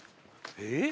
えっ？